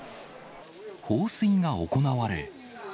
放水が行われ。